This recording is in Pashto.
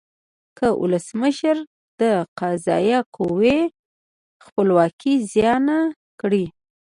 که ولسمشر د قضایه قوې خپلواکي زیانه کړي.